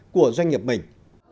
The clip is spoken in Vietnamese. của doanh nghiệp mình